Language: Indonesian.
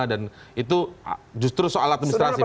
dan itu justru soal administrasi